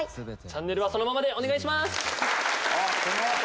チャンネルはそのままでお願いします。